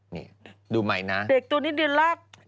นี่ดูใหม่นะเด็กตัวนิดเดียวรัก